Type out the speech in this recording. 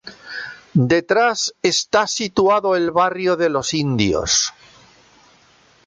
Detrás está situado el barrio de los indios.